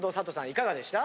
いかがでした？